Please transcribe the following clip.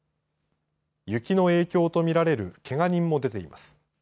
雪の影響と見られるけが人も出ています。